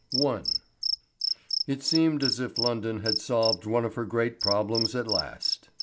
I. It seemed as if London had solved one of her great problems at last.